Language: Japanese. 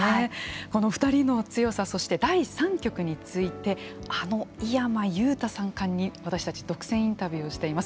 この２人の強さそして第三局についてあの井山裕太三冠に私たち独占インタビューしています。